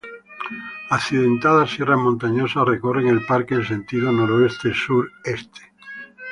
Accidentadas sierras montañosas recorren el parque en sentido noroeste-sur-este.